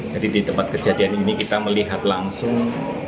jadi di tempat kejadian ini kita melihat langsung